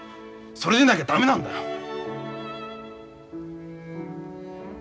それでなきゃ駄目なんだよ。